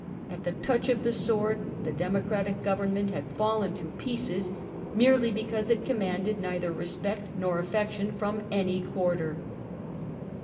At the touch of the sword the Democratic government had fallen to pieces, merely because it commanded neither respect nor affection from any quarter.